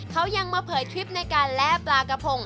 เขายังมาเผยทริปในการแล่ปลากระพง